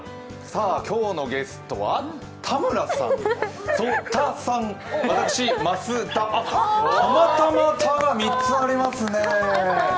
今日のゲストは、田村さん、曽田さん、私、増田と、たまたま田が３つありますね。